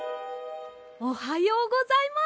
おはようございます。